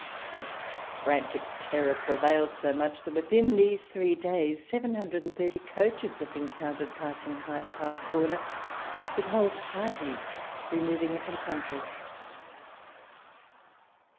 " This frantic terror prevails so much, that Avithin these three days seven hundred and thirty coaches have been counted passing Hyde Park corner, with whole parties removing into the country.